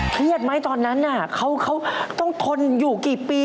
เครียดไหมตอนนั้นเขาต้องทนอยู่กี่ปี